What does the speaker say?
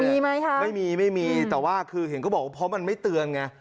มีไหมคะไม่มีไม่มีแต่ว่าคือเห็นก็บอกว่าเพราะมันไม่เตือนไง